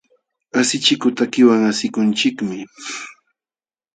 Asichikuq takiwan asikunchikmi.